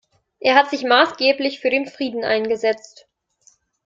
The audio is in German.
Er hat sich maßgeblich für den Frieden eingesetzt.